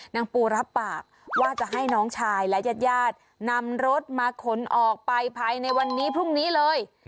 นางปูรับปากว่าจะให้น้องชายและญาติญาตินำรถมาขนออกไปภายในวันนี้พรุ่งนี้เลย